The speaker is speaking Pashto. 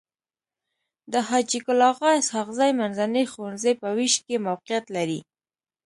د حاجي ګل اغا اسحق زي منځنی ښوونځی په ويش کي موقعيت لري.